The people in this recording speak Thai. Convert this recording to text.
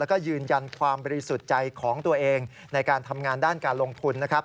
แล้วก็ยืนยันความบริสุทธิ์ใจของตัวเองในการทำงานด้านการลงทุนนะครับ